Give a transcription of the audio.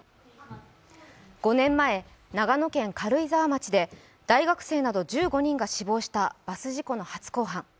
５年前、長野県軽井沢町で大学生など１５人が死亡したバス事故の初公判。